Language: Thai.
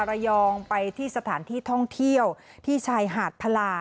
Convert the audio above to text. ระยองไปที่สถานที่ท่องเที่ยวที่ชายหาดพลา